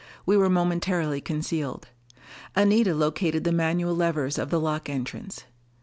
We were momentarily concealed. Anita located the manual levers of the lock entrance.